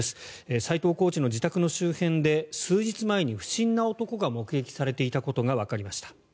斎藤コーチの自宅の周辺で数日前に不審な男が目撃されていたことがわかりました。